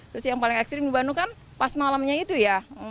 terus yang paling ekstrim di bandung kan pas malamnya itu ya